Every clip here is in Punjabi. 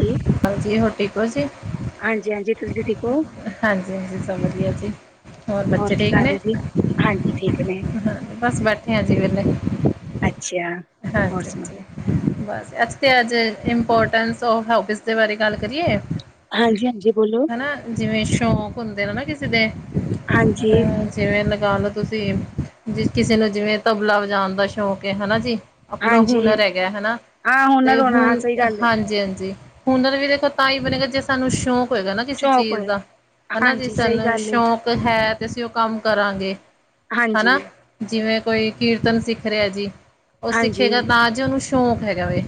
ਜੀ, ਹਾਂਜੀ ਹੋਰ ਠੀਕ ਹੋ ਜੀ ਹਾਂਜੀ-ਹਾਂਜੀ ਤੁਸੀਂ ਠੀਕ ਹੋ? ਹਾਂਜੀ- ਹਾਂਜੀ ਸਭ ਵਧੀਆ ਜੀ ਹੋਰ ਬੱਚੇ ਕੀ ਠੀਕ ਕਰ ਨੇ, ਰਹੇ ਸੀ? ਹਾਂਜੀ ਠੀਕ ਨੇ, ਬਸ ਬੈਠੇ ਆ ਅਸੀ ਵਿਹਲੇ ਅੱਛਾ ਹੋਰ ਸੁਣਾਓ ਬਸ ਅੱਛਾ ਅੱਜ ਇਪੋਰਟਸ ਆਫ ਹੋਬੀਜ ਬਾਰੇ ਗੱਲ ਕਰੀਏ ਹਾਂਜੀ, ਹਾਂਜੀ ਬੋਲੋ। ਹਨਾ ਜਿਵੇਂ ਸ਼ੌਕ ਹੁੰਦੇ ਨੇ ਨਾ ਕਿਸੇ ਦੇ ਹਾਂਜੀ। ਅ ਜਿਵੇਂ ਲਗਾ ਲੋ ਤੁਸੀਂ, ਕਿਸੇ ਨੂੰ ਜਿਵੇਂ ਤਬਲਾ ਵਜਾਉਣ ਦਾ ਸ਼ੌਂਕ ਹੈ ਹਨਾ ਜੀ। ਆਪਣਾ ਹਾਂਜੀ-ਹਾਂਜੀ। ਹੁਨਰ ਹੈਗਾ ਹਨਾ, ਹਾਂ ਤੇ ਹੁਨਰ ਹੋਣਾ ਹਾਂ ਹੁਣ ਸਹੀ ਗੱਲ ਏ, ਹਾਂਜੀ, ਹਾਂਜੀ। ਹੁਨਰ ਵੀ ਦੇਖੋ ਤਾਂ ਹੀ ਬਣੇਗਾ ਜੇ ਸਾਨੂੰ ਸ਼ੌਂਕ ਹੋਏਗਾ ਨਾ ਕਿਸੇ ਸ਼ੌਕ ਚੀਜ਼ ਹੋਏ, ਦਾ, ਹਨਾ ਜੀ ਹਾਂਜੀ ਸਹੀ ਸਾਨੂੰ ਗੱਲ ਏ। ਸ਼ੌਕ ਹੈ ਤੇ ਅਸੀਂ ਉਹ ਕੰਮ ਕਰਾਂਗੇ ਹਾਂਜੀ, ਹਨਾ।। ਜਿਵੇਂ ਕੋਈ ਕੀਰਤਨ ਸਿੱਖ ਰਿਹਾ ਜੀ ਉਹ ਹਾਂਜੀ, ਸਿੱਖੇਗਾ ਤਾਂ ਜੇ ਉਹਨੂੰ ਸ਼ੌਂਕ ਹੈਗਾ ਵੇ।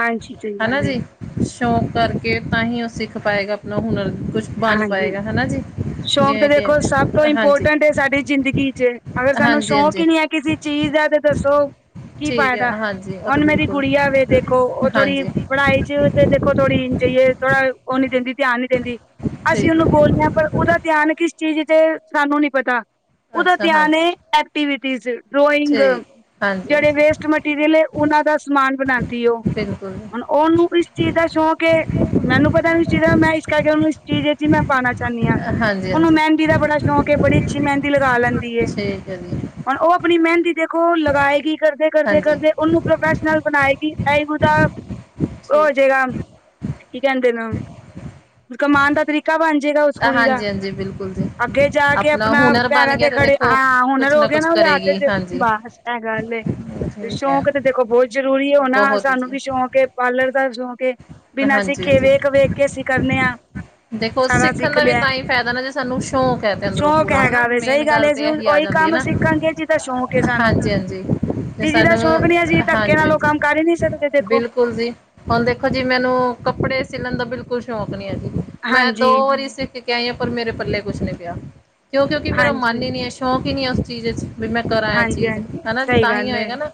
ਹਾਂਜੀ ਸਹੀ ਹਨਾ ਗੱਲ ਏ, ਜੀ, ਸ਼ੌਂਕ ਕਰਕੇ ਤਾਂ ਹੀ ਉਹ ਸਿੱਖ ਪਾਏਗਾ ਆਪਣਾ ਹੁਨਰ ਕੁਛ ਬਣ ਹਾਂਜੀ। ਪਾਏਗਾ ਹਨਾ ਜੀ। ਸ਼ੌਕ ਤਾਂ ਜਿਵੇਂ ਕਿ ਦੇਖੋ ਸਭ ਤੋਂ ਹਾਂਜੀ ਇੰਪੋਰਟੈਂਟ ਸਾਡੀ ਜ਼ਿੰਦਗੀ ਚ, ਅਗਰ ਸਾਨੂੰ ਹਾਂਜੀ ਸ਼ੌਕ ਹਾਂਜੀ ਹੀ ਨਹੀ ਹੈ। ਕਿਸੇ ਚੀਜ਼ ਦਾ ਤੇ ਦੱਸੋ ਕੀ ਠੀਕ ਹੈ ਫਾਇਦਾ ਹਾਂਜੀ ਉਹ ਤਾਂ ਹੁਣ ਮੇਰੀ ਬਿਲਕੁਲ ਗੁੜੀਆ ਵੇ ਦੇਖੋ ਉਹ ਥੋੜੀ ਹਾਂਜੀ ਪੜ੍ਹਾਈ ਚ ਤੇ ਦੇਖੋ ਥੋੜੀ ਜਾਈਏ ਥੋੜਾ ਉਹ ਨੀ ਦਿੰਦੀ ਧਿਆਨ ਨੀ ਦਿੰਦੀ ਅਸੀਂ ਠੀਕ ਉਹਨੂੰ ਹੈ ਬੋਲਦੇ ਹਾਂ ਪਰ ਉਹਦਾ ਧਿਆਨ ਕਿਸ ਚੀਜ਼ ਤੇ, ਸਾਨੂੰ ਨਹੀ ਪਤਾ, ਉਹਦਾ ਅੱਛਾ ਧਿਆਨ ਹਾਂਜੀ ਐਕਟੀਵਿਟੀਜ਼। ਡਰਾਇੰਗ, ਠੀਕ ਹਾਂਜੀ ਜਿਹੜੇ ਹਾਂਜੀ ਵੇਸਟ ਮਟੀਰੀਅਲ ਉਹਨਾਂ ਦਾ ਸਮਾਨ ਬਣਾਉਂਦੀ ਉਹ, ਬਿਲਕੁਲ ਹੁਣ ਉਹਨੂੰ ਕਿਸ ਚੀਜ਼ ਦਾ ਸ਼ੌਕ ਏ ਮੈਨੂੰ ਪਤਾ ਨੀ ਜਿਵੇਂ ਮੈਂ ਇਸ ਕਰਕੇ ਉਹਨੂੰ ਇਸ ਚੀਜ਼ ਦੇ ਵਿੱਚ ਮੈਂ ਪਾਉਣਾ ਚਾਹੁੰਦੀ ਹਾ ਹਾਂਜੀ ਉਹਨੂੰ ਹਾਂਜੀ ਮਹਿੰਦੀ ਦਾ ਬੜਾ ਸ਼ੌਕ ਏ ਬੜੀ ਅੱਛੀ ਮਹਿੰਦੀ ਲਗਾ ਲੈਂਦੀ ਵੇ। ਠੀਕ ਹੈ ਜੀ ਹੁਣ ਉਹ ਆਪਣੀ ਮੇਹਿੰਦੀ ਦੇਖੋ ਲਗਾਏਗੀ ਕਰਦੇ-ਕਰਦੇ ਕਰਦੇ ਹਾਂਜੀ ਕਰਦੇ ਉਹਨੂੰ ਪ੍ਰੋਫੈਸ਼ਨਲ ਬਣਾਏਗੀ, ਇ ਤਾਂ ਉਹ ਠੀਕ ਕੀ ਕਹਿੰਦੇ ਨੇ ਕਮਾਉਣ ਦਾ ਤਰੀਕਾ ਬਣ ਜਾਏਗਾ ਉਸ ਕੁੜੀ ਦਾ, ਹਾਂਜੀ ਹਾਂਜੀ ਬਿਲਕੁਲ ਜੀ ਅੱਗੇ ਜਾ ਕੇ ਆਪਣਾ ਆਪਣੇ ਹੁਨਰ ਬਣ ਪੈਰਾ ਗਿਆ ਤੇ ਤਾਂ ਖੜੇ ਦੇਖੋ ਹਾਂ ਕੁਛ ਹੁਨਰ ਹੋ ਗਏ ਕੁਛ ਨਾ ਉਹਦੇ ਕਰੇਗੀ ਚ, ਹਾਂਜੀ ਬਸ ਐ ਗੱਲ ਏ। ਤੇ ਠੀਕ ਹੈ ਸ਼ੌਕ ਤੇ ਦੇਖੋ ਬਹੁਤ ਜ਼ਰੂਰੀ ਹੋ ਨਾ, ਬਹੁਤ ਜੀ ਸਾਨੂੰ ਵੀ ਸ਼ੌਕ ਹੈ। ਪਾਰਲਰ ਦਾ ਸ਼ੋਕ ਏ, ਬਿਨਾਂ ਹਾਂਜੀ ਸਿੱਖੇ, ਹਾਂਜੀ ਵੇਖ ਵੇਖ ਕੇ ਅਸੀਂ ਕਰਨੇ ਹਾਂ। ਦੇਖੋ ਸਿੱਖਣ ਦਾ ਵੀ ਤਾਂ ਹੀ ਫਾਇਦਾ ਨਾ ਜੇ ਸਾਨੂੰ ਸ਼ੌਂਕ ਹੈ ਤੇ ਅੰਦਰੋਂ ਸ਼ੌਕ ਪੂਰਾ, ਹੈਨਾ, ਹੈਗਾ ਵੇ ਮੇਨ ਸਹੀ ਗੱਲ ਏ ਤੇ ਇਹੀ ਆ ਉਹੀ ਜਾਂਦੀ ਹੈ ਕੰਮ ਨਾ ਸਿੱਖਾਂਗੇ, ਜਿਦਾ ਸ਼ੌਂਕ ਏ ਸਾਨੂੰ, ਹਾਂਜੀ ਹਾਂਜੀ ਤੇ ਜਿਦਾ ਸ਼ੌਂਕ ਨੀ, ਅਸੀ ਧੱਕੇ ਹਾਂਜੀ ਨਾਲ ਔ ਕੰਮ ਹਾਂਜੀ ਕਰ ਹੀ ਨਹੀਂ ਸਕਦੇ ਦੇਖੋ ਬਿਲਕੁਲ ਜੀ ਹੁਣ ਦੇਖੋ ਜੀ ਮੈਨੂੰ ਕੱਪੜੇ ਸਿੱਲਣ ਦਾ ਬਿਲਕੁਲ ਸ਼ੌਕ ਨੀ ਹੈ ਜੀ, ਮੈਂ ਹਾਂਜੀ ਦੋ ਵਾਰੀ ਕ ਪਰ ਮੇਰੇ ਪੱਲੇ ਕੁਛ ਨੀ ਪਿਆ, ਕਿਉਂ ਕਉਂਕਿ ਮੇਰਾ ਮਨ ਹਾਂਜੀ ਹੀ ਨੀ ਹੈ, ਸ਼ੌਂਕ ਹੀ ਨਹੀਂ ਹੈ ਉਸ ਚੀਜ਼ ਵਿਚ ਵੀ ਮੈਂ ਕਰਾਂ ਹਾਂਜੀ ਚੀਜ਼, ਹਾਂਜੀ ਹੈਨਾ, ਤੇ ਸਹੀ ਤਾਂ ਹੀ ਗੱਲ ਏ ਆਏਗਾ ਨਾ,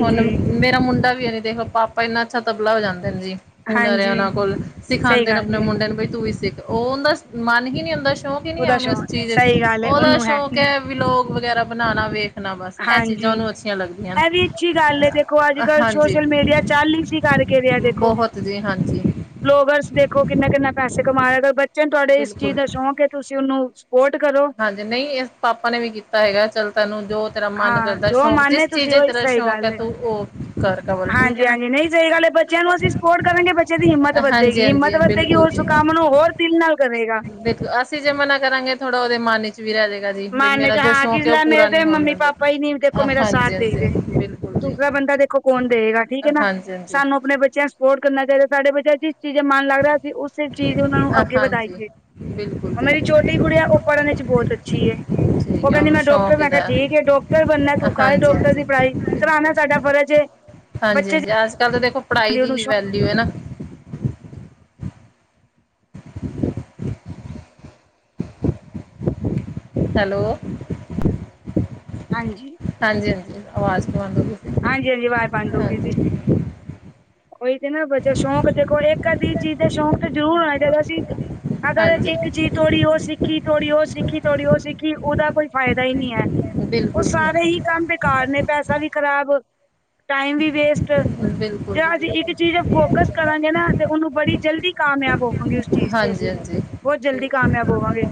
ਹੁਣ ਮੇਰਾ ਮੁੰਡਾ ਵੀ ਹੈ, ਦੇਖੋ ਪਾਪਾ, ਇੰਨਾ ਅੱਛਾ ਤਬਲਾ ਵਜਾਂਦੇ ਦੇਖ। ਹੁਨਰ ਹੈ ਉਹਨਾਂ ਹਾਂਜੀ ਕੋਲ, ਸਹੀ ਸਿਖਾਉਂਦੇ ਨੇ ਗੱਲ ਆਪਣੇ ਏ ਮੁੰਡੇ ਨੂੰ, ਬਈ ਵੀ ਸਿੱਖ, ਉਹ ਉਹਦਾ ਮਨ ਹੀ ਨਹੀਂ ਹੁੰਦਾ, ਸ਼ੌਕ ਨੀ ਉਹਦਾ ਉਹਨੂੰ ਇਸ ਸ਼ੌਕ ਚੀਜ਼, ਸਹੀ ਗੱਲ ਏ ਉਹਦਾ ਉਹਨੂੰ ਸ਼ੌਕ ਨੀ ਹੈ ਵੀਲੋਗ ਵਗੈਰਾ ਬਣਾਣਾ, ਵੇ ਹਾਂਜੀ, ਇਹ ਵੀ ਇੱਛੀ ਗੱਲ ਏ, ਦੇਖੋ ਅੱਜ ਕੱਲ ਹਾਂਜੀ ਸੋਸ਼ਲ ਮੀਡੀਆ- ਚੱਲ ਈਸੀ ਕਰਕੇ ਰਿਹਾ ਦੇਖੋ। ਬਹੁਤ ਜੀ ਹਾਂਜੀ ਬਲੋਗਰਸ ਦੇਖੋ ਕਿੰਨਾ ਕਿੰਨਾ ਪੈਸੇ ਕਮਾ ਰਹੇ, ਬੱਚੇ ਨੂੰ ਤੁਹਾਡੇ ਇਸ ਬਿਲਕੁਲ। ਚੀਜ਼ ਦਾ ਸ਼ੌਕ ਹੈ। ਤੁਸੀਂ ਉਹਨੂੰ ਸਪੋਰਟ ਕਰੋ- ਹਾਂਜੀ, ਨਹੀਂ ਇਸ ਪਾਪਾ ਨੇ ਵੀ ਕੀਤਾ ਹੈਗਾ, ਚੱਲ ਤੈਨੂੰ ਜੋ ਤੇਰਾ ਮਨ ਹਾਂ ਕਰਦਾ ਜੋ ਸ਼ੌਕ, ਮਨ ਏ ਜਿਸ ਤੁਸੀਂ ਚੀਜ਼ ਚ ਉਹੀ ਤੇਰਾ ਸਹੀ ਸ਼ੌਕ ਗੱਲ ਹੈ, ਏ ਤੂੰ ਉਹ ਕਰ ਕਵਰ, ਠੀਕ ਹੈ ਹਾਂਜੀ ਨਾ ਹਾਂਜੀ ਨਹੀਂ ਸਹੀ ਗੱਲ ਏ ਬੱਚਿਆਂ ਨੂੰ ਅਸੀਂ ਸਪੋਰਟ ਕਰਾਂਗੇ, ਬੱਚਿਆਂ ਦੀ ਹਿੰਮਤ ਹਾਂਜੀ ਵਧੇਗੀ, ਹਿੰਮਤ ਹਾਂਜੀ ਵਧੇਗੀ, ਔ ਬਿਲਕੁਲ ਉਸ ਕੰਮ ਨੂੰ ਹੋਰ ਦਿਲ ਨਾਲ ਕਰੇਗਾ। ਬਿਲਕੁਲ, ਅਸੀਂ ਜੇ ਮਨਾ ਕਰਾਂਗੇ ਥੋੜ੍ਹਾ ਉਹਦੇ ਮਨ ਵਿੱਚ ਵੀ ਆ ਜਾਏਗਾ, ਬੀ ਮਨ ਚ ਮੇਰਾ ਜੋ ਹਾਂ ਕਿ ਸ਼ੌਕ ਹੈ, ਉਹ ਲੈ ਮੇਰੇ ਪੂਰਾ ਨੀ ਤੇ ਹੋਣ ਮੰਮੀ ਦਿੰਦੇ, ਪਾਪਾ ਹੀ ਨੀ ਦੇਖੋ ਮੇਰਾ ਸਾਥ ਹਾਂਜੀ ਦੇ ਰਹੇ ਹਾਂਜੀ ਬਿਲੁ ਤੇ ਦੂਸਰਾ ਬੰਦਾ ਦੇਖੋ ਕੌਣ ਦੇਵੇਗਾ, ਠੀਕ ਹੈ ਨਾ, ਹਾਂਜੀ ਹਾਂਜੀ ਸਾਨੂੰ ਆਪਣੇ ਬੱਚਿਆਂ ਨੂੰ ਸਪੋਰਟ ਕਰਨਾ ਚਾਹੀਦਾ, ਸਾਡੇ ਬੱਚਿਆਂ ਜੀ ਜਿਸ ਚੀਜ਼ ਦਾ ਮਨ ਲੱਗਦਾ, ਅਸੀਂ ਉਸੇ ਚੀਜ਼ ਉਹਨਾਂ ਨੂੰ ਅੱਗੇ ਹਾਂਜੀ ਵਧਾਈਏ ਬਿਲਕੁਲ ਉਹ ਜੀ ਮੇਰੀ ਛੋਟੀ ਕੁੜੀ ਐ, ਉਹ ਪੜ੍ਹਨ ਚ ਬਹੁਤ ਅੱਛੀ ਹੈ। ਉਹ ਠੀਕ ਹੈ ਕਹਿੰਦੀ ਉਹਨੂੰ ਮੈਂ ਡਾਕਟਰ, ਸ਼ੌਕ ਮੈਂ ਕਿਹਾ ਇਹਦਾ ਠੀਕ ਹੈ, ਡਾਕਟਰ ਬਣਨਾ, ਤੂੰ ਕਰ ਹਾਂਜੀ ਡਾਕਟਰ ਹਾਂਜੀ ਦੀ ਪੜ੍ਹਾਈ ਕਰਾਣਾ ਬਿਲਕੁਲ ਸਾਡਾ ਫਰਜ਼ ਏ ਹਾਂਜੀ ਹਾਂਜੀ, ਅੱਜ ਕੱਲ੍ਹ ਤਾਂ ਦੇਖੋ, ਪੜ੍ਹਾਈ ਦੀ ਹੀ ਸ਼ੌਕ ਵੈਲਿਊ ਹੈਨਾ। [inaudible] ਹੈਲੋ। ਹਾਂਜੀ। ਹਾਂਜੀ ਹਾਂਜੀ, ਆਵਾਜ਼ ਤਾਂ ਆਉਂਦੀ ਪਈ! ਹਾਂਜੀ ਹਾਂਜੀ ਆਵਾਜ਼ ਬੰਦ ਹੋ ਗਈ ਸੀ। ਉਹੀ ਤੇ ਨਾ ਬੱਚਾ ਸ਼ੌਂਕ ਦੇਖੋ, ਇੱਕ ਅੱਧੀ ਚੀਜ਼ ਦਾ ਸ਼ੌਂਕ ਤੇ ਜ਼ਰੂਰ ਹੋਣਾ ਚਾਹੀਦਾ ਸੀ। ਅਗਰ ਇੱਕ ਹਾਂਜੀ ਚੀਜ਼ ਥੋੜੀ ਉਹ ਸਿੱਖੀ, ਥੋੜੀ ਉਹ ਸਿੱਖੀ, ਥੋੜ੍ਹੀ ਉਹ ਸਿੱਖੀ, ਉਹਦਾ ਕੋਈ ਫਾਇਦਾ ਹੀ ਨਹੀਂ ਹੈ। ਉਹ ਬਿਲਕੁਲ ਸਾਰੇ ਹੀ ਜੀ। ਕੰਮ ਬੇਕਾਰ ਨੇ, ਪੈਸਾ ਵੀ ਖ਼ਰਾਬ, ਟਾਈਮ ਵੀ ਵੇਸਟ! ਜੀ ਬਿਲਕੁਲ ਜੇ ਜੀ ਅਸੀਂ ਇੱਕ ਬਿਲਕੁਲ ਚੀਜ਼ ਫੋਕਸ ਕਰਾਂਗੇ ਨਾ, ਤੇ ਉਹਨੂੰ ਬੜੀ ਜਲਦੀ ਕਾਮਯਾਬ ਹੋਊਗੇ ਉਸ ਚੀਜ਼। ਤੇ ਹਾਂਜੀ ਅਸੀਂ ਹਾਂਜੀ। ਬਹੁਤ ਜਲਦੀ ਠੀਕ ਕਾਮਯਾਬ ਹੋਵਾਂਗੇ,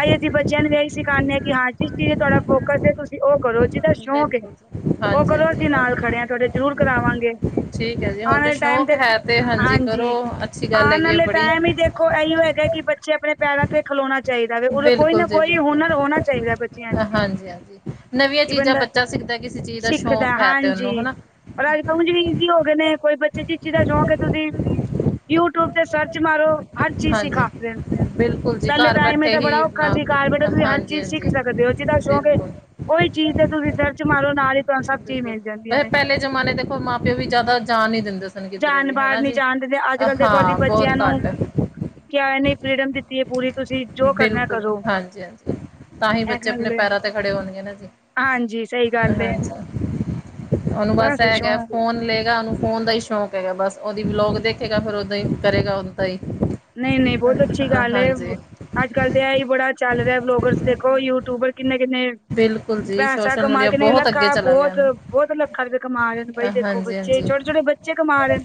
ਅਸੀਂ ਅਸੀਂ ਬੱਚਿਆਂ ਨੂੰ ਇਹੀ ਸਿਖਾਂਦੇ ਹਾਂ, ਕਿ ਹਾਂ ਜਿਸ ਚੀਜ਼ ਤੁਹਾਡਾ ਫ ਕਸੇ ਤੁਸੀਂ ਉਹ ਕਰੋ ਜਿਹਦਾ ਸ਼ੌਕ ਏ, ਬਿਲਕੁਲ ਜੀ ਉਹ ਹਾਂਜੀ ਕਰੋ ਹਾਂਜੀ ਅਸੀਂ ਨਾਲ ਖੜੇ ਹਾਂ ਤੁਹਾਡੇ, ਜ਼ਰੂਰ ਕਰਾਵਾਂਗੇ! ਠੀਕ ਹੈ ਜੀ ਹੋਰ ਆਣ ਕੋਈ ਵਾਲੇ ਟਾਈਮ ਸ਼ੌਕ ਤੇ, ਹੈ ਹਾਂਜੀ ਕਰੋ ਅੱਛੀ ਗੱਲ ਆਣ ਹੈਗੀ ਹੈ ਵਾਲੇ ਬੜੀ ਟਾਈਮ ਹੀ ਦੇਖ ਕੋ ਇਹੀ ਹੈਗਾ ਕਿ, ਬੱਚੇ ਆਪਣੇ ਪੈਰਾਂ ਤੇ ਖਲੋਣਾ ਚਾਹੀਦਾ ਵੈ, ਉਦੋਂ ਕੋਈ ਬਿਲਕੁਲ ਨਾ ਜੀ ਕੋਈ ਬਿਲਕੁਲ ਹੁਨਰ ਹੋਣਾ ਚਾਹੀਦਾ ਬੱਚਿਆਂ। ਚ ਹਾਂਜੀ ਹਾਂਜੀ ਨਵੀਆਂ ਕਿ ਚੀਜ਼ਾਂ ਬੰਦਾ ਬੱਚਾ ਸਿੱਖਦਾ, ਕਿਸੇ ਚੀਜ਼ ਦਾ ਸ਼ੌਂਕ ਹੈ ਤੇ ਉਹਨੂੰ ਹੈਨਾ। ਪੜਾਈ ਵੀ ਈਜ਼ੀ ਹੋ ਗਏ ਨੇ, ਕੋਈ ਬੱਚੇ ਚ ਚੀ ਦਾ ਸ਼ੌਂਕ ਹੈ ਤੁਸੀਂ ਯੂਟਿਊਬ ਤੇ ਸਰਚ ਮਾਰੋ, ਹਰ ਚੀਜ਼ ਹਾਂਜੀ ਸਿਖਾਦੇ ਨੇ। ਬਿਲਕੁਲ ਜੀ ਪਹਿਲੇ ਘਰ ਟਾਈਮ ਇਹ ਬੈਠੇ ਤਾਂ ਬੜਾ ਹੀ ਔਖਾ ਨਾ ਸੀ, ਘਰ ਬੈਠੇ ਤੁਸੀਂ ਹਰ ਹਾਂਜੀ ਚੀਜ਼ ਸਿੱਖ ਹਾਂਜੀ ਸਕਦੇ ਹੋ। ਜਿੱਦਾ ਸ਼ੌਕ ਹੈ ਬਿਲਕੁਲ ਉਹੀ ਚੀਜ਼ ਤੇ ਤੁਸੀਂ ਰਿਸਰਚਰ ਮਾਰੋ ਨਾਲ ਹੀ ਤੁਹਾਨੂੰ ਸਭ ਚੀਜ਼ ਬਿਲਕੁਲ ਮਿਲ ਜਾਂਦੀਆਂ ਵੈਸੇ ਨੇ ਪਹਿਲੇ ਜਮਾਨੇ ਦੇਖੋ ਮਾਂ ਪਿਓ ਵੀ ਜ਼ਿਆਦਾ ਜਾਣ ਨੀ ਦਿੰਦੇ ਸਨ ਕਿਧਰੇ ਜਾਣ ਵੀ, ਬਾਹਰ ਹਨਾ ਨੀ ਜੀ। ਜਾਣ ਦਿੰਦੇ ਅੱਜ ਕੱਲ੍ਹ ਦੇਖੋ ਅਸੀਂ ਹਾਂ ਬਹੁਤ ਬੱਚਿਆਂ ਨੂੰ ਘੱਟ। ਕਿਆ ਇਹਨੇ ਫਰੀਡਮ ਦਿੱਤੀ ਹੈ ਪੂਰੀ ਤੁਸੀਂ ਜੋ ਕਰਨਾ ਬਿਲਕੁਲ, ਕਰੋ ਹਾਂਜੀ- ਹਾਂਜੀ! ਤਾਂ ਹੀ ਇਹ ਬੱਚੇ ਆਪਣੇ ਗੱਲ ਏ ਪੈਰਾਂ ਤੇ ਖੜੇ ਹੋਣਗੇ ਨਾ ਜੀ, ਹਾਂਜੀ ਸਹੀ ਗੱਲ ਏ ਹਾਂਜੀ ਉਹਨੂੰ ਬਸ ਹੈਗਾ, ਫੋਨ ਲਏਗਾ ਉਹਨੂੰ ਫੋਨ ਦਾ ਹੀ ਸ਼ੌਕ ਹੈਗਾ ਬਸ ਓਹਦੀ ਬਲੋਗ ਦੇਖੇਗਾ ਫੇਰ ਓਹਦਾਂ ਹੀ ਕਰੇਗਾ ਓਹਦਾ ਹੀ ਨਹੀਂ, ਨਹੀਂ ਬਹੁਤ ਅੱਛੀ ਗੱਲ ਹੈ। ਹਾਂਜੀ ਅੱਜ ਕੱਲ ਤਾਂ ਇਹ ਹੀ ਬੜਾ ਚੱਲ ਰਿਹਾ ਬਲੋਗਰਸ ਦੇਖੋ ਯੂਟਿਊਬਰ ਕਿੰਨੇ- ਕਿੰਨੇ ਬਿਲਕੁਲ ਜੀ ਪੈਸਾ ਸੋਸ਼ਲ ਕਮਾ ਮੀਡੀਆ ਕੇ ਨਹੀਂ ਬਹੁਤ ਅੱਗੇ ਲੱਖਾਂ ਚਲਾ ਗਿਆ ਬਹੁਤ, ਬਹੁਤ ਲੱਖਾਂ ਰੁਪਏ ਕਮਾ ਰਹੇ। ਬਈ ਦੇਖੋ ਹਾਂਜੀ ਬੱਚੇ ਹਾਂਜੀ ਛੋਟੇ- ਛੋਟੇ ਬੱਚੇ ਕਮਾ ਰਹੇ ਨੇ,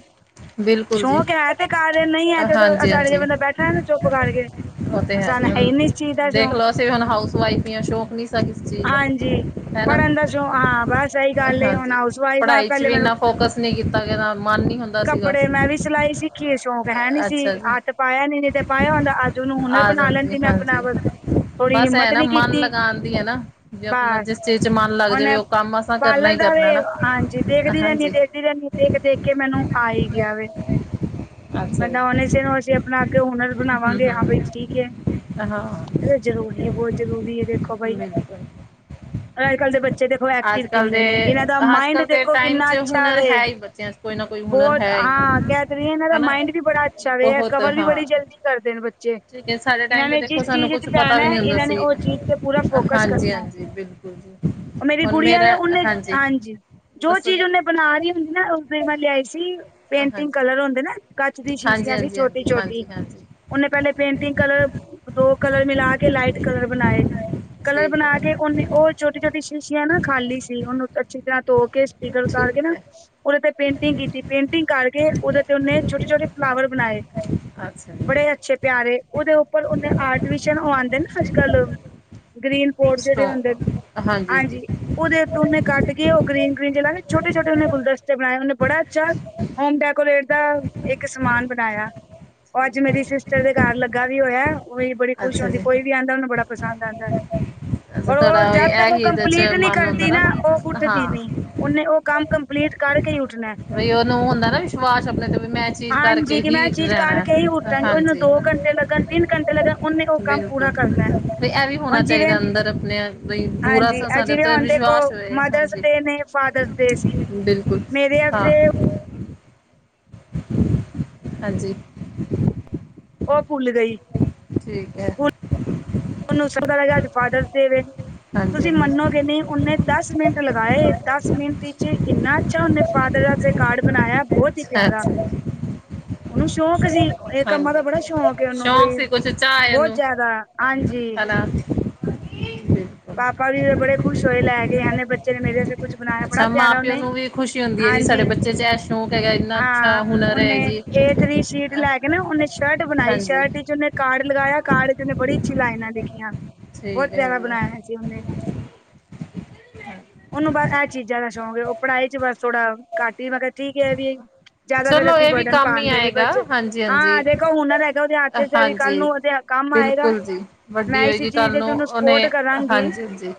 ਬਿਲਕੁਲ ਜੀ ਸ਼ੌਕ ਹੈ ਤੇ ਕਰ ਰਹੇ ਨਹੀਂ ਹੈ ਜਦੋਂ ਹਾਂਜੀ ਸਾਡੇ ਜਿ ਹਾਂਜੀ ਬੰਦਾ ਬੈਠਾ ਨਾ ਚੁੱਪ ਕਰਕੇ ਕੇ ਉਹ ਤੇ ਹੈ ਜੀ, ਦੇਖ ਲਓ ਅਸੀਂ ਵੀ ਹੁਣ ਹਾਊਸ ਵਾਇਫ ਹੀ ਸ਼ੌਕ ਨੀ ਕਿਸੇ ਚੀਜ਼ ਦਾ ਹਾਂਜੀ ਹੈਨਾ, ਪੜ੍ਹਨ ਦਾ ਸ਼ੌਕ ਹਾਂ ਬਸ ਇਹੀ ਗੱਲ ਏ ਹੁਣ ਹਾਂਜੀ, ਹਾਊਸ ਵਾਈਫ ਆ ਪੜ੍ਹਾਈ ਚ ਪਹਿਲੇ ਵੀ ਮੈਨੂੰ ਇੰਨਾ ਫੋਕਸ ਨਹੀਂ ਕੀਤਾ ਕਿ ਮਨ ਨੀ ਹੁੰਦਾ ਸੀਗਾ ਕੱਪੜੇ ਮੈਂ ਵੀ ਸਿਲਾਈ ਸਿਖੀ ਏ ਸ਼ੌਂਕ ਹੈ ਨੀ ਸੀ। ਅੱਛਾ ਜੀ ਤੇ ਪਾਇਆ ਨੀ ਨਹੀਂ ਤੇ ਪਾਇਆ ਹੁੰਦਾ ਅੱਜ ਉਹਨੂੰ ਹੁਨਰ ਆ ਬਣਾ ਜਾਂਦੀ ਲੈਂਦੀ ਮੈਂ ਆਪਣਾ ਹਾਂਜੀ ਬਸ ਥੋੜੀ ਬਸ ਐ ਹਿੰਮਤ ਨਾ ਨੀ ਮਨ ਕੀਤੀ। ਲਗਾਣ ਦੀ ਐ ਨਾ ਜੇ ਆਪਣਾ ਬਸ, ਜਿਸ ਚੀਜ਼ ਚ ਮਨ ਲੱਗ ਹੁਣ, ਜਾਵੇ ਉਹ ਕੰਮ ਅਸਾਂ ਕਰਨਾ ਪਾਰਲਰ ਹੀ ਦਾ ਵੀ ਕਰਨਾ ਨਾ ਹਾਂਜੀ ਦੇਖਦੀ ਰਹਿੰਦੀ ਆ ਹਾਂਜੀ। ਦੇਖਦੀ ਰਹਿੰਦੀ ਹ ਦੇਖ -ਦੇਖ ਕੇ ਮੈਨੂੰ ਆ ਹੀ ਗਿਆ ਵੈ, ਅੱਛਾ ਬੰਦਾ ਜੀ। ਓਹਨੇ ਚਿਰ ਨੂੰ ਅਸੀਂ ਆਪਣਾ ਅਗੇ ਹੁਨਰ ਹੂੰ ਬਣਾਵਾਂਗੇ ਹਾਂ ਬਾਈ ਹੂੰ ਠੀਕ ਹੈ ਹਾਂ ਇਹ ਜਰੂਰੀ ਹੈ ਬਹੁਤ ਜ਼ਰੂਰੀ ਹੈ ਤੇ। ਬਿਲਕੁਲ। ਅੱਜ ਕੱਲ੍ਹ ਦੇ ਬੱਚੇ ਦੇਖੋ ਐਕਟਿਵ ਅੱਜ ਕੱਲ੍ਹ ਕਿੰਨੇ ਦੇ ਨੇ ਇਹਨਾਂ ਦਾ ਅੱਜ ਮਾਇੰਡ ਕੱਲ੍ਹ ਦੇ ਦੇਖੋ ਟਾਈਮ ਕਿੰਨਾ 'ਚ ਅੱਛਾ ਵ ਹੁਨਰ ਹੈ ਹੀ ਬੱਚਿਆਂ 'ਚ ਕੋਈ ਨਾ ਕੋਈ ਹੁਨਰ ਬਹੁਤ, ਹੈ ਹੀ। ਹਾਂ ਕਹਿ ਰਹੀ ਇਹਨਾਂ ਦਾ ਹਨਾ ਮਾਈੰਡ ਵੀ ਬੜਾ ਅੱਛਾ ਵੇ ਬਹੁਤ ਕਵਰ ਵੀ ਹਾਂ। ਬੜੀ ਜਲਦੀ ਕਰਦੇ ਨੇ ਬੱਚੇ ਠੀਕ ਸਾਡੇ ਟਾਈਮ ਇਹਨਾਂ ਤੋਂ ਨੇ ਜਿਸ ਦੇਖੋ ਸਾਨੂੰ ਚੀਜ਼ ਚ ਕੁਛ ਪਤਾ ਵੀ ਪੈਣਾ ਹੈ ਨੀ ਹੁੰਦਾ ਇਹਨਾਂ ਨੇ ਸੀ, ਉਹ ਚੀਜ਼ ਤੇ ਪੂਰਾ ਫੋਕਸ ਹਾਂਜੀ- ਕਰਨਾ ਹੈ ਹਾਂਜੀ ਬਿਲਕੁਲ। ਹਾਂਜੀ ਮੇਰੀ ਹੁਣ ਗੁੜੀਆ ਵੈ ਮੇਰਾ ਉਹਨੇ, ਹਾਂਜੀ, ਜੋ ਦੱਸੋ ਚੀਜ਼ ਜੀ ਉਹਨੇ ਬਣਾ ਰਹੀ ਹੁੰਦੀ ਨਾ ਉਸਦੇ ਮੈਂ ਲਿਆਈ ਸੀ, ਪੇਂਟਿੰਗ ਹਾਂਜੀ। ਕਲਰ ਹੁੰਦੇ ਨਾ ਕੱਚ ਦੀ ਹਾਂਜੀ ਸ਼ੀਸ਼ੀਆਂ ਚ। ਹਾਂਜੀ ਹਾਂਜੀ, ਹਾਂਜੀ! ਉਹਨੇ ਪਹਿਲੇ ਪੇਂਟਿੰਗ ਕਲਰ, ਦੋ ਕਲਰ ਮਿਲਾ ਕੇ ਲਾਈਟ ਕਲਰ ਬਣਾਏ! ਕਲਰ ਠੀਕ ਬਣਾ ਕੇ ਹੈ ਉਹਨੇ, ਉਹ ਛੋਟੀ- ਛੋਟੀ ਸ਼ੀਸ਼ੀਆਂ ਨਾ ਖਾਲੀ ਸੀ ਉਹਨੂੰ ਅੱਛੀ ਤਰ੍ਹਾਂ ਧੋ ਕੇ ਸਟੀਕਰ ਉਤਾਰ ਕੇ ਠੀਕ ਨਾ। ਹੈ ਉਹਦੇ ਤੇ ਪੇਂਟਿੰਗ ਕੀਤੀ ਪੇਂਟਿੰਗ ਕਰਕੇ ਉਹਦੇ ਤੇ ਉਹਨੇ ਛੋਟੇ -ਛੋਟੇ ਫਲਾਵਰ ਬਣਾਏ। ਅੱਛਾ ਜੀ ਬੜੇ ਅੱਛੇ ਪਿਆਰੇ, ਉਹਦੇ ਉੱਪਰ ਉਹਨੇ ਆਰਟੀਫਿਸ਼ਲ ਉਹ ਆਂਉਦੇ ਨਾ ਅੱਜ ਕੱਲ ਗ੍ਰੀਨ ਬੋਰਡ ਜਿਹੜੇ ਸਟੋ ਹੁੰਦੇ ਨੇ, ਹਾਂਜੀ ਉਹਦੇ ਉਨੇ ਕੱਟ ਕੇ ਉਹ ਗ੍ਰੀਨ -ਗ੍ਰੀਨ ਜਿਹੜਾ ਕੇ ਛੋਟੇ-ਛੋਟੇ ਗੁਲਦਸਤੇ ਬਣਾਏ ਉਹਨੇ ਬੜਾ ਅੱਛਾ ਹੋਮ ਡੈਕੋਰੇਟ ਦਾ ਇੱਕ ਸਮਾਨ ਬਣਾਇਆ। ਉਹ ਅੱਜ ਮੇਰੀ ਸਿਸਟਰ ਦੇ ਘਰ ਲੱਗਾ ਵੀ ਹੋਇਆ, ਉਹ ਬੜੀ ਖੁਸ਼ ਅੱਛਾ ਹੁੰਦੀ ਜੀ ਕੋਈ ਵੀ ਆਂਉਦਾ ਉਹਨੂੰ ਬੜਾ ਪਸੰਦ ਆਉਂਦਾ। ਅੱਛਾ ਉਹ ਤੁਹਾਡਾ ਜਦ ਤੱਕ ਉਹ ਇਹੀ ਇਹਦੇ ਕੰਪਲੀਟ ਚ ਨਹੀਂ ਮਨ ਹੁੰਦਾ ਕਰਦੀ ਨਾ, ਉਹ ਉੱਠਦੀ ਹਾਂ ਨਹੀ, ਉਹਨੇ ਉਹ ਕੰਮ ਕੰਪਲੀਟ ਕਰਕੇ ਉੱਠਣਾ, ਵੀ ਉਹਨੂੰ ਹੁੰਦਾ ਨਾ ਵਿਸ਼ਵਾਸ ਆਪਣੇ ਤੇ ਵੀ ਮੈਂ ਚੀਜ਼ ਹਾਂਜੀ ਕਰਕੇ ਕਿ ਮੈਂ ਹੀ ਚੀਜ਼ ਰਹਿਣਾ ਕਰਕੇ ਹੀ ਉੱਠਾਂਗੀ, ਉਹਨੂੰ ਹਾਂਜੀ ਦੋ ਘੰਟੇ ਲੱਗਣ, ਤਿੰਨ ਘੰਟੇ ਲੱਗਣ ਉਹਨੇ ਉਹ ਕੰਮ ਪੂਰਾ ਕਰਨਾ। ਤੇ ਇਹ ਵੀ ਹੋਣਾ ਹੁਣ ਜਿਵੇਂ ਚਾਹੀਦਾ ਅੰਦਰ ਆਪਣੇ ਬਈ ਪੂਰਾ ਹਾਂਜੀ ਇਹ ਸਾਡੇ ਜਿਵੇਂ ਉੱਤੇ ਹੁਣ ਦੇਖੋ ਵਿਸ਼ਵਾਸ ਹੋਏ। ਮਦਰਸ ਹਾਂਜੀ ਡੇ ਨੇ ਫਾਦਰਸ ਡੇ ਸੀ। ਬਿਲਕੁਲ ਮੇਰੇ ਹਾਂ। ਵਾਸਤੇ ਹਾਂਜੀ ਉਹ ਭੁੱਲ ਗਈ। ਠੀਕ ਹੈ। ਉਹਨੂੰ ਝਟਕਾ ਲੱਗਾ ਅੱਜ ਫਾਦਰਸ ਡੇ ਵੇ। ਹਾਂਜੀ ਤੁਸੀਂ ਹਾਂਜੀ ਮੰਨੋਗੇ ਨਹੀਂ ਉਹਨੇ ਦਸ ਮਿੰਟ ਲਗਾਏ ਦਸ ਮਿੰਟ ਵਿੱਚ ਇੰਨਾ ਅੱਛਾ, ਉਹਨੇ ਫਾਦਰ ਆਸਤੇ ਕਾਰਡ ਬਣਾਇਆ ਬਹੁਤ ਹੀ ਅੱਛਾ ਪਿਆਰਾ। ਅੱਛਾ ਉਹਨੂੰ ਸ਼ੌਕ ਸੀ, ਇਹ ਕੰਮਾਂ ਦਾ ਹਾਂਜੀ ਬੜਾ ਸ਼ੌਂਕ ਏ ਉਹਨੂੰ ਸ਼ੌਂਕ ਬਈ, ਸੀ ਕੁਛ ਚਾਹ ਬਹੁਤ ਇਹਨੂੰ ਜ਼ਿਆਦਾ। ਆਂਜੀ। [unintelligible] ਪਾਪਾ ਵੀ ਬੜੇ ਖੁਸ਼ ਹੋਏ ਲੈਕੇ ਆਏ ਨੇ, ਬੱਚੇ ਨੇ ਮੇਰੇ ਆਸ ਕੁਛ ਬਣਾਇਆ ਬੜਾ ਅੱਛਾ ਮਾਂ ਪਿਆਰਾ ਪਿਓ ਉਹਨੇ, ਨੂੰ ਵੀ ਖੁਸ਼ੀ ਹੁੰਦੀ ਹੈ ਜੀ ਸਾਡੇ ਹਾਂਜੀ, ਬੱਚੇ 'ਚ ਇਹ ਸ਼ੌਂਕ ਹੈਗਾ ਇੰਨਾ ਅੱਛਾ ਹਾਂ, ਹੁਨਰ ਓਨੇ ਹੈ ਜੀ ਏ-ਥ੍ਰੀ ਸ਼ੀਟ ਅਹ ਲੈਕੇ ਨਾ ਉਹਨੇ ਸ਼ਰਟ ਬਣਾਈ, ਹਾਂਜੀ ਸ਼ਰਟ'ਚ ਉਹਨੇ ਕਾਰਡ ਲਗਾਇਆ, ਕਾਰਡ 'ਚ ਉਹਨੇ ਬੜੀ ਅੱਛੀ ਲਾਈਨਾਂ ਲਿੱਖੀਆਂ, ਬਹੁਤ ਠੀਕ ਹੈ ਪਿਆਰਾ ਬਣਾਇਆ। ਜੀ ਉਹਨੇ, ਉਹਨੂੰ ਬਸ ਐ ਚੀਜ਼ਾਂ ਦਾ ਸ਼ੌਕ ਹੈ, ਉਹ ਪੜ੍ਹਾਈ 'ਚ ਬਸ ਥੋੜਾ ਘੱਟ ਹੀ, ਮੈਂ ਕਿਹਾ ਠੀਕ ਏ, ਏਵੀ ਜਿਆਦਾ ਫਿਰ ਚਲੋ ਅਸੀਂ ਇਹ ਵੀ ਬਰਡਨ ਕੰਮ ਹੀ ਪਾਂਦੇ ਨੀ ਆਏਗਾ ਬੱਚੇ, ਹਾਂਜੀ ਹਾਂਜੀ ਹਾਂ ਦੇਖੋ ਹੁਨਰ ਹੈਗਾ, ਉਹਦੇ ਹੱਥ 'ਚ ਵੀ ਕੱਲ੍ਹ ਹਾਂਜੀ ਨੂੰ ਉਹਦੇ ਹੱ ਕੰਮ ਆਇਗਾ, ਬਿਲਕੁਲ ਜੀ ਵੱਡੀ ਮੈਂ ਇਸ ਹੋਏਗੀ ਚੀਜ਼ ਕੱਲ ਦੀ ਨੂੰ ਉਹਨੂੰ ਉਹਨੇ ਸਪੋਰਟ ਕਰਾਂਗੀ। ਹਾਂਜੀ ਹਾਂਜੀ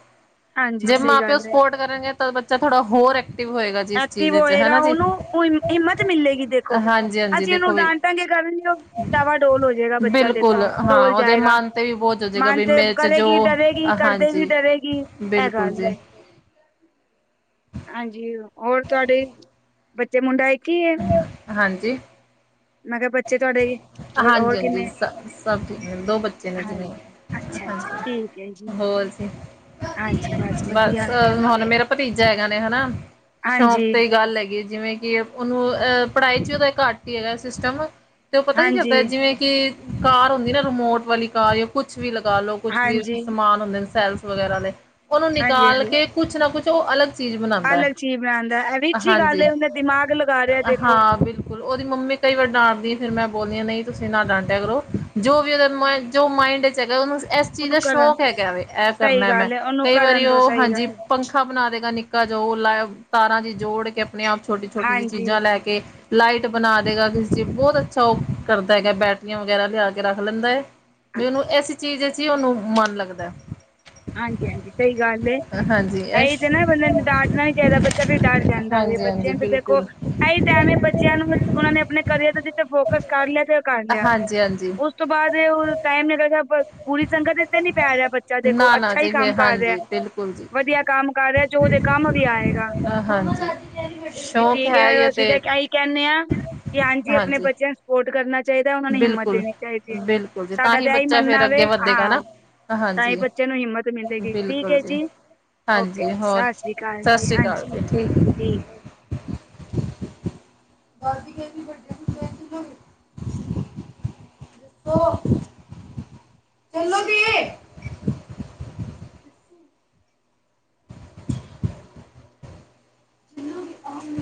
ਹਾਂਜੀ ਜੇ ਸਹੀ ਮਾਂ-ਪਿਓ ਗੱਲ ਏ ਸਪੋਰਟ ਕਰਨਗੇ ਤਾਂ ਬੱਚਾ ਥੋੜਾ ਹੋਰ ਐਕਟੀਵ ਹੋਏਗਾ ਜੀ, ਇਸ ਚੀਜ਼ ਐਕਟਿਵ ਵਿੱਚ ਹੋਏਗਾ ਹੈਨਾ ਜੀ। ਉਹਨੂੰ ਉਹ ਹਿੰਮਤ ਮਿਲੇਗੀ ਦੇਖੋ, ਹਾਂਜੀ ਹਾਂਜੀ ਅਸੀਂ ਉਹਨੂੰ ਦੇਖੋ ਵੀ ਡਾਂਟਾਂਗੇ ਕਰ ਵੀ ਉਹ ਡਾਵਾਂ ਡੋਲ ਹੋ ਜਿਹੜਾ ਬੱਚਾ ਬਿਲਕੁਲ ਦੇਖੋ ਹਾਂ ਡੋਲ ਉਹਦੇ ਜਾਏਗਾ, ਮਨ ਤੇ ਵੀ ਬੋਝ ਹੋ ਜਾਏਗਾ ਮਨ ਵੀ ਤੇ ਮੇਰੇ ਚ ਜੋ ਕਰੇਗੀ, ਡਰੇਗੀ ਕਰਦੇ ਵੀ ਹਾਂਜੀ ਡ ਕਰੇਗੀ, ਐ ਬਿਲਕੁਲ ਗੱਲ ਏ। ਜੀ ਹਾਂਜੀ, ਹੋਰ ਤੁਹਾਡੇ ਬੱਚੇ, ਮੁੰਡਾ ਇੱਕ ਹੀ ਹੈ? ਹਾਂਜੀ! ਮੈਂ ਕਿਹਾ, ਬੱਚੇ ਤੁਹਾਡੇ ਜ ਹਾਂਜੀ-ਹਾਂਜੀ, ਸ, ਸਭ ਠੀਕ ਨੇ, ਦੋ ਬੱਚੇ ਨੇ ਜੀ, ਹਾਂਜੀ ਮੇਰੇ। ਅੱਛਾ ਅੱਛਾ ਠੀਕ ਹੈ ਜੀ ਹਾਂਜੀ, ਹੋਰ ਜੀ, ਹਾਂਜੀ ਵਧੀਆ ਬਸ ਹੁਣ ਮੇਰਾ ਭਤੀਜਾ ਹੈਗਾ ਨੇ ਹਨਾ, ਹਾਂਜੀ ਸ਼ੌਂਕ ਤੇ ਹੀ ਗੱਲ ਹੈਗੀ ਜਿਵੇਂ ਕਿ ਉਹਨੂੰ, ਅਹ ਪੜ੍ਹਾਈ 'ਚ ਉਹਦਾ ਘੱਟ ਹੀ ਹੈਗਾ ਸਿਸਟਮ ਤੇ ਉਹ ਪਤਾ ਹੀ ਨੀ ਹਾਂਜੀ ਚੱਲਦਾ ਜਿਵੇਂ ਕਿ, ਕਾਰ ਹੁੰਦੀ ਨਾ ਰਿਮੋਟ ਵਾਲੀ ਕਾਰ ਕੁਛ ਵੀ ਲਗਾਲੋ, ਕੁਛ ਵੀ ਹਾਂਜੀ ਹਾਂਜੀ ਸਮਾਨ ਹੁੰਦੇ ਨੇ ਸੈਲਸ ਵਗੈਰਾ ਦੇ, ਉਹਨੂੰ ਹਾਂਜੀ ਨਿਕਾਲਕੇ ਕੁਛ ਨਾ, ਕੁਛ, ਉਹ ਅਲੱ ਚੀਜ਼ ਬਣਾਂਦੈ, ਅਲੱਗ ਚੀਜ਼ ਬਣਾਉਂਦਾ ਇਹ ਵੀ ਅੱਛੀ ਗੱਲ ਹਾਂਜੀ, ਹੈ। ਉਹਨੇ ਦਿਮਾਗ ਲਗਾ ਰਿਹਾ ਦੇਖੋ ਹਾਂ, ਬਿਲਕ ਕੁਲ, ਉਹਦੀ ਮੰਮੀ ਕਈ ਵਾਰ ਡਾਂਟਦੀ ਆ, ਫਿਰ ਮੈਂ ਬੋਲਨੀ ਆਂ ਨਹੀਂ ਤੁਸੀਂ ਨਾ ਡਾਂਟਿਆ ਕਰੋ, ਜੋ ਵੀ ਉਹਦੇ ਜੋ ਮਾਇੰਡ 'ਚ ਹੈਗਾ ਉਹਨੂੰ ਇਸ ਚੀਜ਼ ਉਹਨੂੰ ਦਾ ਕਰਨ ਸ਼ੌਕ ਤੋਂ। ਹੈਗਾ ਵੇ, ਐ ਸਹੀ ਕਰਨਾ ਮੈਂ। ਗੱਲ ਹੈ, ਉਹਨੂੰ ਕਈ ਵਾਰੀ ਕਰਨ ਤੋਂ ਉਹ ਸਹੀ ਹਾਂਜੀ ਗੱਲ ਹੈ। ਪੰ ਪਖਾ ਬਣਾਦੇਗਾ ਨਿੱਕਾ ਜਾ, ਲਾ ਤਾਰਾਂ ਜਿਹੀ ਜੋੜਕੇ ਅਪਨੇ-ਆਪ ਛੋਟੀ-ਛੋਟੀ ਜਿਹੀ ਹਾਂਜੀ ਚੀਜ਼ਾਂ ਲੈਕੇ ਲਾਈਟ ਬਨਾਦੇਗਾ ਕਿਸੇ'ਚ ਬਹੁਤ ਅੱਛਾ, ਉਹ ਕਰਦਾ ਹੈਗਾ। ਬੈਟਰੀਆਂ ਵਗੈਰਾ ਲਿਆਕੇ ਰੱਖ ਲੈਂਦਾ ਏ। ਵੀ ਉਹਨੂੰ, ਇਸੀ ਚੀਜ਼'ਚ ਹੀ ਓਹਨੂੰ ਮਨ ਲੱਗਦਾ। ਹਾਂਜੀ-ਹਾਂਜੀ ਸਹੀ ਗੱਲ ਏ। ਹਾਂਜੀ ਇਹੀ ਇਸ ਤੇ ਨਾ ਬੰਦੇ ਨੂੰ ਡਾਂਟਣਾ ਨੀ ਚਾਹੀਦਾ ਬੱਚਾ ਵੀ ਡਰ ਜਾਂਦਾ ਵੇ, ਹਾਂਜੀ ਬੱਚਿਆਂ ਹਾਂਜੀ ਨੂੰ ਤੇ ਦੇਖੋ ਬਿਲਕੁਲ ਏਹੀ ਟਾਇਮ ਬੱਚਿਆਂ ਨੂੰ, ਉਹਨਾਂ ਨੇ ਅਪਨੇ ਕਰੀਅਰ ਦਾ ਕਿਤੇ ਫੋਕਸ ਕਰਲਿਆ ਤੇ ਉਹ ਕਰਲਿਆ। ਹਾਂਜੀ ਹਾਂਜੀ ਉਸ ਉਸ ਤੋਂ ਬਾਅਦ, ਉਹ ਟਾਈਮ ਨੀ ਲਗਿਆ ਬੂਰੀ ਸੰਗਤ'ਚ ਤੇ ਨੀ ਪੈ ਰਿਹਾ ਬੱਚਾ ਦੇਖੋ ਨਾ ਨਾ ਸਹੀ ਜੀ ਕੰਮ ਫਿਰ ਕਰ ਰਿਹਾ, ਹਾਂਜੀ ਬਿਲਕੁਲ ਜੀ ਵਧੀਆ ਕੰਮ ਕਰ ਰਿਹਾ, ਜੋ ਉਹਦੇ ਕੰਮ ਵੀ ਆਏਗਾ। ਹਾਂਜੀ ਠੀਕ ਹੈ, ਅਸੀਂ ਤੇ ਏਹੀ ਕਹਿੰਨੇ ਆ ਕਿ, ਹਾਂਜੀ, ਅਪਨੇ ਬੱਚਿਆਂ ਨੂੰ ਸਪੋਰਟ ਕਰਨਾ ਚਾਹੀਦਾ, ਉਹਨਾਂ ਨੂੰ ਹਿੰਮਤ ਬਿਲਕੁਲ ਦੇਣੀ ਚਾਹੀਦੀ ਏ। ਬਿਲਕੁਲ ਜੀ ਸਾਡਾ ਹੀ ਤਾਂ ਏਹੀ ਬੱਚਾ ਫੇਰ ਮੰਨਣਾ ਅੱਗੇ ਵੇ, ਵੱਧੇਗਾ ਨਾ ਹਾਂ ਤਾ ਈ ਹਾਂਜੀ ਬੱਚਿਆ ਨੂੰ ਹਿੰਮਤ ਮਿਲੇਗੀ, ਠੀਕ ਏ ਜੀ, ਓਕੇ, ਹਾਂਜੀ ਹੋਰ ਸਸ ਸ੍ਰੀ ਕਾਲ ਸਤਿ ਜੀ, ਸ਼੍ਰੀ ਅਕਾਲ ਜੀ ਹਾਂਜੀ, ਠੀਕ ਏ। ਅਰਬੀ ਕਿਹੋਜੀ ਕੱਟਣੀ ਚਾਹੀਦੀ, ਹੰ? ਦੋ ਬੋਲੋਂਗੇ [unintelligible]